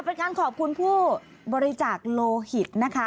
เป็นการขอบคุณผู้บริจาคโลหิตนะคะ